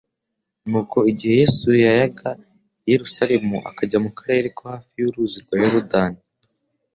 Nuko igihe Yesu yayaga i Yerusalemu akajya mu karere ko hafi y'uruzi rwa Yorodani,